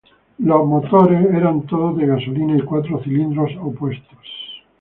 Los motores eran todos de gasolina y cuatro cilindros opuestos.